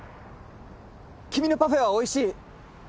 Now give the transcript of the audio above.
君のパフェは美味しい。